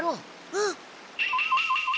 うん。